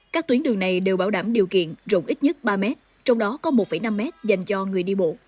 các tuyến đường này đều bảo đảm điều kiện rộng ít nhất ba mét trong đó có một năm mét dành cho người đi bộ